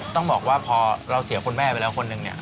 ต้องบอกว่าพอเราเสียคุณแม่ไปแล้วคนหนึ่งเนี่ย